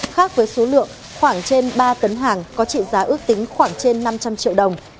khác với số lượng khoảng trên ba tấn hàng có trị giá ước tính khoảng trên năm trăm linh triệu đồng